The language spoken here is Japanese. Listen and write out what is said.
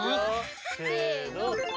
せの！